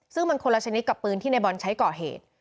ซึ่งมันคนละชนิดกับปืนที่ในบอลใช้ก่อเหตุ